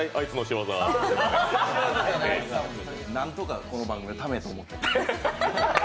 なんとか、この番組のためと思って。